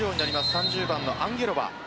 ３０番のアンゲロバ。